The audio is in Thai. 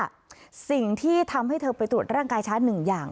สิ่งที่ทำให้เธอไปตรวจร่างกายช้าหนึ่งอย่าง